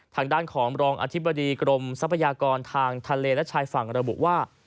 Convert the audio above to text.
ทางด้านของรองอธิบดีกรมทรัพยากรทางทะเลและชายฝั่งระบุว่า